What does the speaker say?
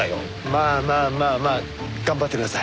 まあまあまあまあ頑張ってください。